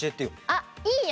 あっいいよ！